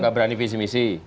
tidak berani visi misi